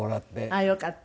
ああよかった。